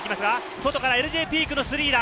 外からＬＪ・ピークのスリーだ。